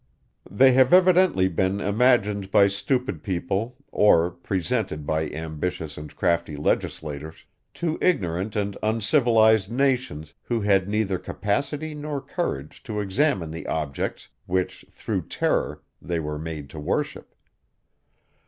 They have evidently been imagined by stupid people, or presented, by ambitious and crafty legislators, to ignorant and uncivilized nations, who had neither capacity nor courage to examine the objects, which through terror they were made to worship.